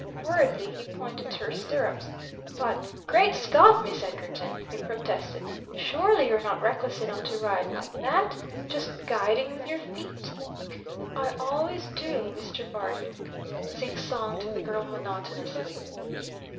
Worriedly he pointed to her stirrups. "But Great Scott, Miss Edgarton!" he protested. "Surely you're not reckless enough to ride like that? Just guiding with your feet?" "I always do, Mr. Barton," singsonged the girl monotonously.